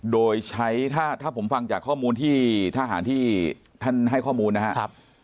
โดยใช้ถ้าผมฟังจากข้อมูลที่ทหารที่ท่านให้ข้อมูลนะครับ